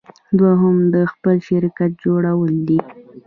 دوهم د خپل شرکت جوړول دي.